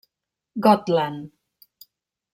Gotland.